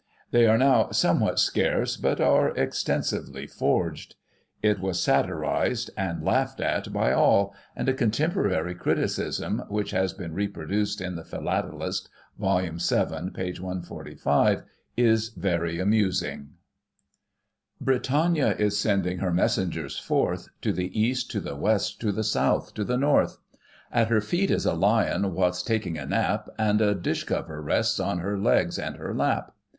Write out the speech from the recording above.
They are now somewhat scarce, but are extensively forged. It was satirized and laughed at by all, and a contemporary criticism, which has been reproduced in The Philatelist, vol. vii., p. 145, is very amusing: " Britannia is sending her messengers forth To the East, to the West, to the South, to the North : At her feet is a lion wot's taking a nap. And a dish cover rests on her legs and her lap.